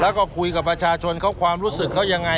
แล้วก็คุยกับประชาชนเขาความรู้สึกเขายังไง